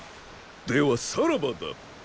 ではさらばだ！